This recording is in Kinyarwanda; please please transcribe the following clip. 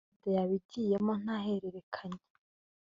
mwenda yaba igiyemo nta hererekanya